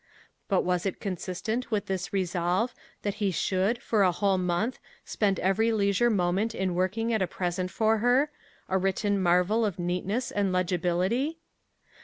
But was it consistent with this resolve that he should, for a whole month, spend every leisure moment in working at a present for her a written marvel of neatness and legibility?